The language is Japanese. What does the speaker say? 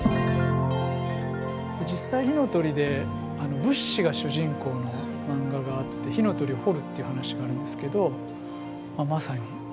実際「火の鳥」で仏師が主人公のマンガがあって火の鳥を彫るっていう話があるんですけどまさにそれが。